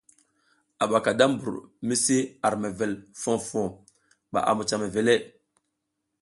A ɓaka da mbur mi si ar mewel foh foh ɓa a mucah mewele.